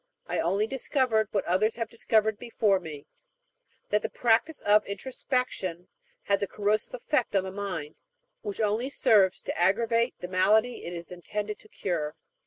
I only discovered, what others have discovered before me, that the practice of introspection has a corrosive effect on the mind, which only serves to aggravate the malady it is intended to cure.